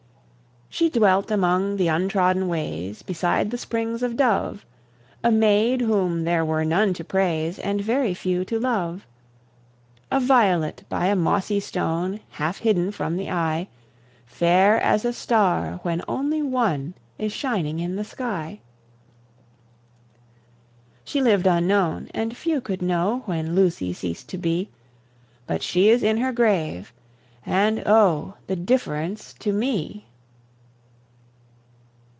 She dwelt among the untrodden ways Beside the springs of Dove; A maid whom there were none to praise, And very few to love. A violet by a mossy stone Half hidden from the eye! Fair as a star, when only one Is shining in the sky. She lived unknown, and few could know When Lucy ceased to be; But she is in her grave, and, oh, The difference to me!